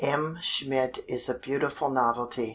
M. Schmidt is a beautiful novelty.